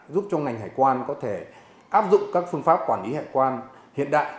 giúp cho ngành hải quan có thể áp dụng các phương pháp quản lý hải quan hiện đại